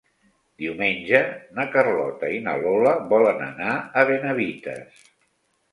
Diumenge na Carlota i na Lola volen anar a Benavites.